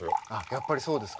やっぱりそうですか。